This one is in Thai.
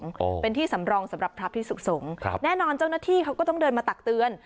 โอ้เป็นที่สำรองสำหรับพระพิสุขสงฆ์ครับแน่นอนเจ้าหน้าที่เขาก็ต้องเดินมาตักเตือน